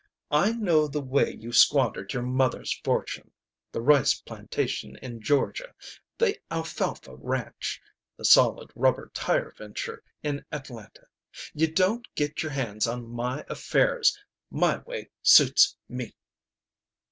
I know the way you squandered your mother's fortune. The rice plantation in Georgia. The alfalfa ranch. The solid rubber tire venture in Atlanta. You don't get your hands on my affairs. My way suits me!"